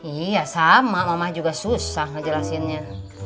iya sama mama juga susah ngejelasinnya